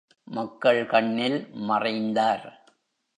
மக்கள் கண்ணில் மறைந்தார்!